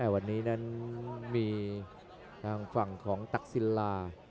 วันนี้มีฝั่งของตักศิลลา